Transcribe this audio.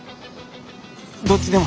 どっちでも。